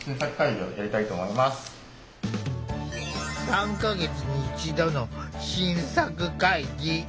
３か月に１度の新作会議。